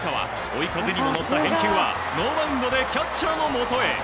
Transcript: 追い風にも乗った返球はノーバウンドでキャッチャーのもとへ。